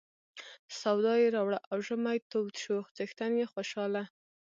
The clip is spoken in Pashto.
سودا یې راوړه او ژمی تود شو څښتن یې خوشاله.